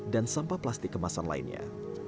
dan sampah plastik kemasan lainnya